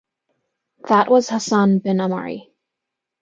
That was Hassan bin Omari.